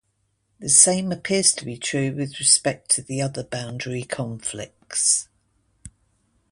The same appears to be true with respect to the other boundary conflicts.